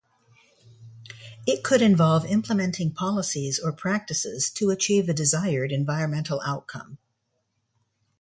It could involve implementing policies or practices to achieve a desired environmental outcome.